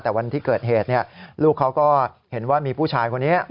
แต่วันที่เกิดเหตุลูกเขาก็เห็นว่ามีผู้ชายคนนี้